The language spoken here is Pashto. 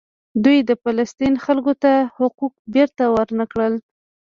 دوی د فلسطین خلکو ته حقوق بیرته ورنکړل.